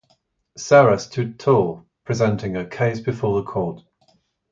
Sarah stood tall, presenting her case before the court.